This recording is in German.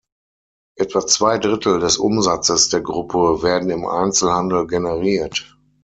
Etwa zwei Drittel des Umsatzes der Gruppe werden im Einzelhandel generiert.